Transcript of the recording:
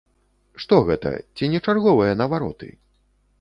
Што гэта, ці не чарговыя навароты?